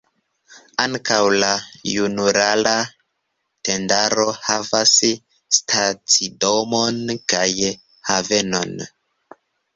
Ankaŭ la junulara tendaro havas stacidomon kaj havenon.